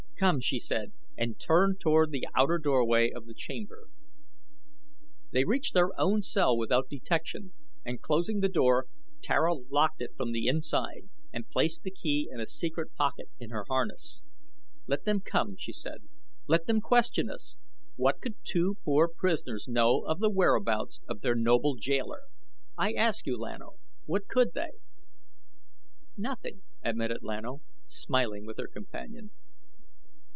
"Come!" she said and turned toward the outer doorway of the chamber. They reached their own cell without detection, and closing the door Tara locked it from the inside and placed the key in a secret pocket in her harness. "Let them come," she said. "Let them question us! What could two poor prisoners know of the whereabouts of their noble jailer? I ask you, Lan O, what could they?" "Nothing," admitted Lan O, smiling with her companion.